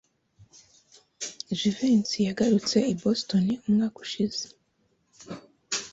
Jivency yagarutse i Boston umwaka ushize.